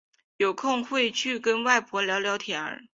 有空时会去跟外婆聊聊天